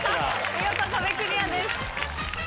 見事壁クリアです。